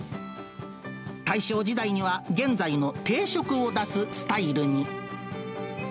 大正時代には現在の定食を出すスタイルに。